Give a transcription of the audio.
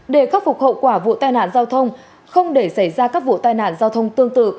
để khắc phục hậu quả vụ tai nạn giao thông không để xảy ra các vụ tai nạn giao thông tương tự